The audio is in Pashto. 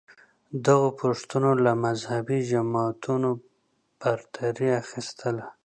دغو پوښتنو له مذهبې جماعتونو برتري اخیستله